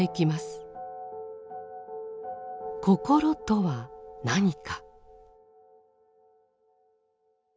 心とは何か？